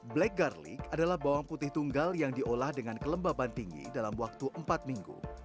black garlic adalah bawang putih tunggal yang diolah dengan kelembaban tinggi dalam waktu empat minggu